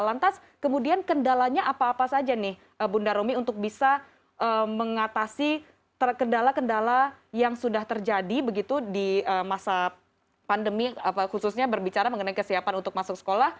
lantas kemudian kendalanya apa apa saja nih bunda romi untuk bisa mengatasi kendala kendala yang sudah terjadi begitu di masa pandemi khususnya berbicara mengenai kesiapan untuk masuk sekolah